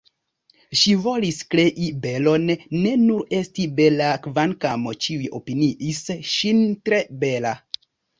Ŝi volis krei belon, ne nur esti bela kvankam ĉiuj opiniis ŝin tre bela.